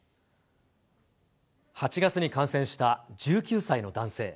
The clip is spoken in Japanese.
８月に感染した１９歳の男性。